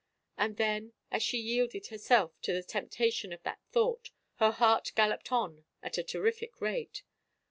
And then, as she yielded herself to the temptation of that thought, her heart galloped on at a terrific rate.